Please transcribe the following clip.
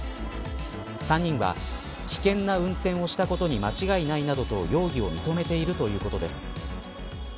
３人は危険な運転をしたことに間違いないなどと容疑を認めているということです。